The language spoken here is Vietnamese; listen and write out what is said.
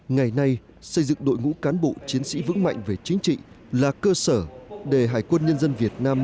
ngày nay xây dựng đội ngũ cán bộ chiến sĩ vững mạnh về chính trị là cơ sở để hải quân nhân dân việt nam